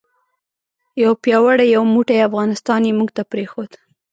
یو پیاوړی یو موټی افغانستان یې موږ ته پرېښود.